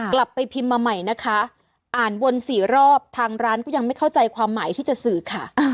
กลับไปพิมพ์มาใหม่นะคะอ่านวนสี่รอบทางร้านก็ยังไม่เข้าใจความหมายที่จะสื่อค่ะ